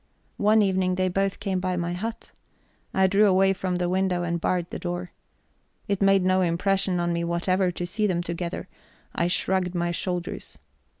One evening they both came by my hut; I drew away from the window and barred the door. It made no impression on me whatever to see them together; I shrugged my shoulders.